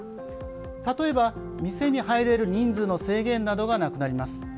例えば、店に入れる人数の制限などがなくなります。